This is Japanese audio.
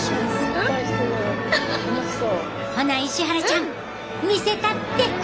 ほな石原ちゃん見せたって。